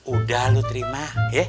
udah lu terima